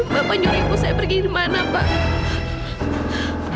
bapak nyuruh ibu saya pergi kemana pak